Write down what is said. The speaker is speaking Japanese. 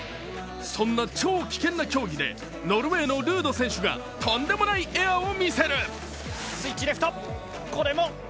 そんな超危険な競技でノルウェーのルード選手がとんでもないエアを見せる。